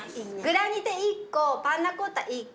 グラニテ１個パンナコッタ１個